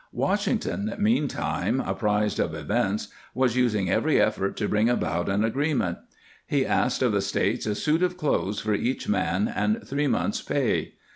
Wash ington, meantime, apprised of events, was using every effort to bring about an agreement ; he asked of the States a suit of clothes for each man and three months, pay.